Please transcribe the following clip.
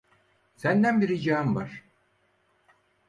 Senden bir ricam var.